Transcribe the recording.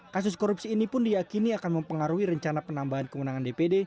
kasus korupsi ini pun diakini akan mempengaruhi rencana penambahan kewenangan dpd